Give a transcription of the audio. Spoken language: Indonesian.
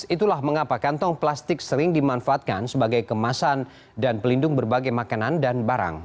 itulah mengapa kantong plastik sering dimanfaatkan sebagai kemasan dan pelindung berbagai makanan dan barang